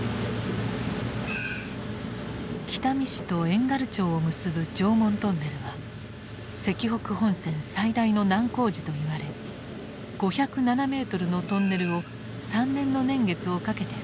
北見市と遠軽町を結ぶ常紋トンネルは石北本線最大の難工事と言われ５０７メートルのトンネルを３年の年月をかけて完成した。